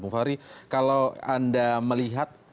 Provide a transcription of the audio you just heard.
bung fahri kalau anda melihat